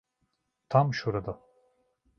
Tam şurada.